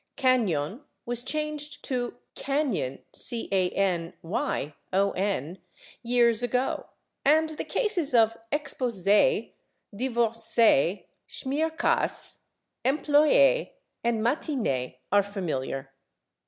/Cañon/ was changed to /canyon/ years ago, and the cases of /exposé/, /divorcée/, /schmierkäse/, /employé/ and /matinée/ are familiar.